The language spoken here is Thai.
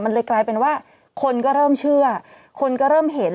มันเลยกลายเป็นว่าคนก็เริ่มเชื่อคนก็เริ่มเห็น